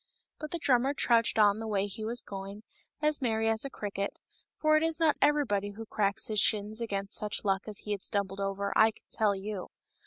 But the drummer trudged on the way he was going, as merry as a cricket, for it is not everybody who cracks his shins against such luck as he had stumbled over, I can tell you.